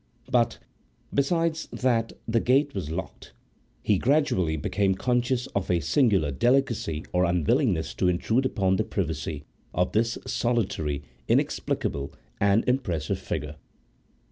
But, besides that the gate was locked, he gradually became conscious of a singular delicacy or unwillingness to intrude upon the privacy of this solitary, inexplicable, and impressive figure.